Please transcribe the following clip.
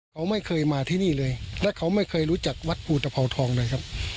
เขาไม่เคยมาที่นี่เลยและเขาไม่เคยรู้จักวัดภูตภาวทองเลยครับ